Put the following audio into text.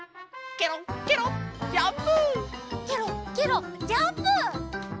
ケロッケロッジャンプ！